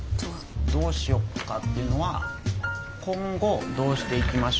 どうしようかっていうのは今後どうしていきましょうって話。